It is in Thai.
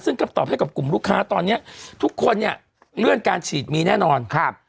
ซึ่งคำตอบให้กับกลุ่มลูกค้าตอนเนี้ยทุกคนเนี่ยเลื่อนการฉีดมีแน่นอนครับ